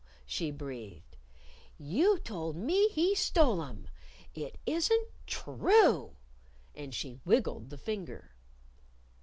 she breathed. "You told me he stole 'em! It isn't true!" And she wiggled the finger.